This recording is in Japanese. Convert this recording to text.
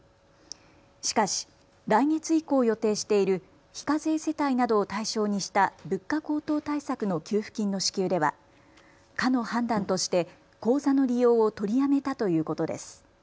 しかし来月以降、予定している非課税世帯などを対象にした物価高騰対策の給付金の支給では課の判断として口座の利用を取りやめたということです。